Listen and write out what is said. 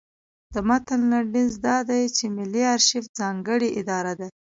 د متن لنډیز دا دی چې ملي ارشیف ځانګړې اداره ده.